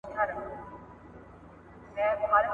هغه څېړونکي خپله تېروتنه نه ده منلې.